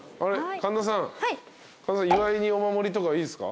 神田さん岩井にお守りとかいいですか？